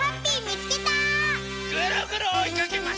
ぐるぐるおいかけます！